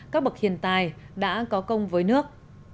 các bậc hiền tài đã có công với nước